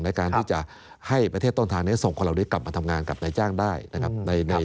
ในการที่จะให้ประเทศต้นทางนี้ส่งคนเหล่านี้กลับมาทำงานกับนายจ้างได้นะครับ